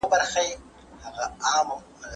زه به اوبه څښلې وي،